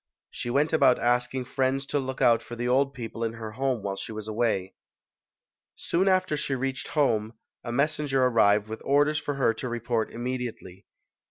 She went about asking friends to look out for the old people in her home while she was away. Soon after she reached home, a messenger ar rived with orders for her to report immediately.